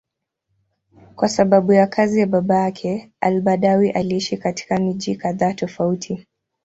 Kwa sababu ya kazi ya baba yake, al-Badawi aliishi katika miji kadhaa tofauti.